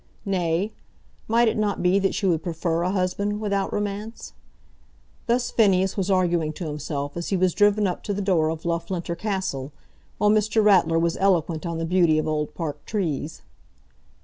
Nay; might it not be that she would prefer a husband without romance? Thus Phineas was arguing to himself as he was driven up to the door of Loughlinter Castle, while Mr. Ratler was eloquent on the beauty of old park trees.